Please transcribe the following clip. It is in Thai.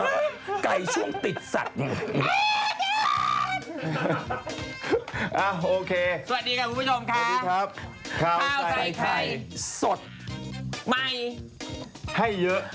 โอเคสวัสดีค่ะคุณผู้ชมค่ะสวัสดีครับข้าวใส่ไข่สดใหม่ให้เยอะ